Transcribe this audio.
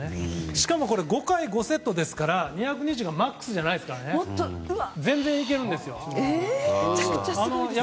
しかも５回５セットなので２２０がマックスじゃなくて全然いけるんですよ。